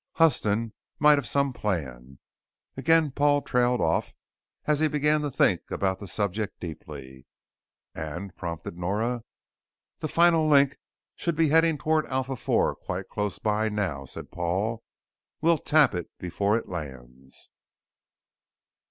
Huston might have some plan " again Paul trailed off as he began to think about the subject deeply. "And," prompted Nora. "The final link should be heading towards Alpha IV quite close by now," said Paul. "We'll tap it before it lands."